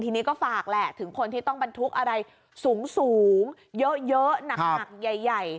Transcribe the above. ทีนี้ก็ฝากแหละถึงคนที่ต้องบรรทุกอะไรสูงสูงเยอะเยอะหนักหนักใหญ่ใหญ่